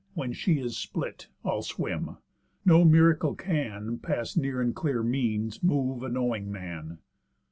When she is split, I'll swim. No miracle can, Past near and clear means, move a knowing man."